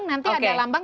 nanti ada lambang